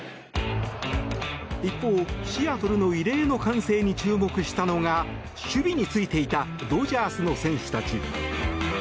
一方、シアトルの異例の歓声に注目したのが守備に就いていたドジャースの選手たち。